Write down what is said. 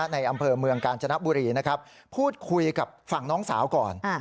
ในอำเภอเมืองกาญจนบุรีนะครับพูดคุยกับฝั่งน้องสาวก่อน